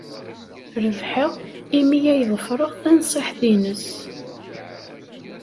Rebḥeɣ imi ay ḍefreɣ tanṣiḥt-nnes.